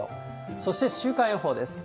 そして週間予報です。